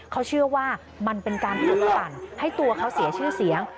เขาเชื่อว่ามันเป็นการหลุดปั่นให้ตัวเขาเสียชื่อเสียง